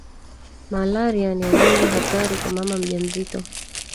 malaria ni ugonjwa hatari kwa mama mjamzito